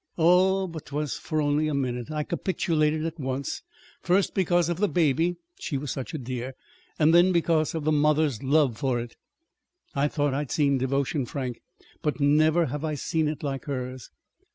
"Oh, but 'twas for only a minute. I capitulated at once, first because of the baby she was such a dear! then because of the mother's love for it. I thought I'd seen devotion, Frank, but never have I seen it like hers."